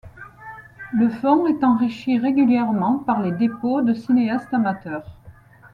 Le fonds est enrichi régulièrement par les dépôts de cinéastes amateurs.